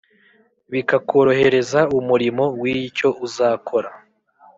bikakorohereza umurimo. wicyo uzakora